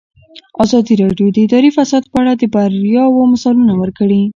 ازادي راډیو د اداري فساد په اړه د بریاوو مثالونه ورکړي.